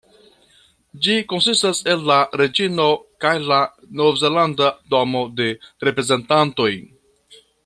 Ĝi konsistas el la Reĝino kaj la Novzelanda Domo de Reprezentantoj.